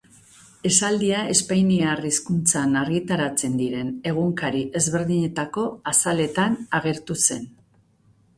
Esaldia espainiar hizkuntzan argitaratzen diren egunkari ezberdinetako azaletan agertu zen.